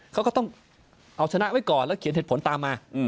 เขาก็ต้องเอาชนะไว้ก่อนแล้วเขียนเหตุผลตามมา